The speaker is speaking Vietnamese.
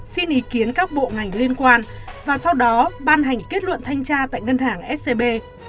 xin ý kiến các bộ ngành liên quan và sau đó ban hành kết luận thanh tra tại ngân hàng scb